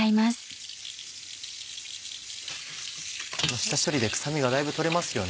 下処理で臭みがだいぶ取れますよね。